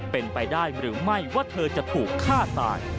เป็นไปได้หรือไม่ว่าเธอจะถูกฆ่าตาย